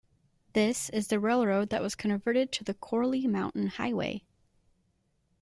This is the railroad that was converted to the Corley Mountain Highway.